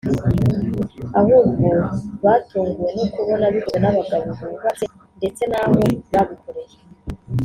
ahubwo batungue no kubona bikozwe n’abagabo bubatse ndetse n’aho babikoreye